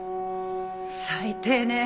最低ね。